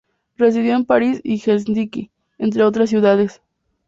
Residió en París y Helsinki, entre otras ciudades.